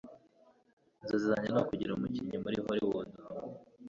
Inzozi zanjye nukugira umukinnyi muri Hollywood.